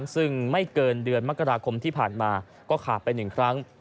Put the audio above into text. ซึ่งไม่เกินเดือนมกราคมที่ผ่านมาก็ขาดไป๑ครั้ง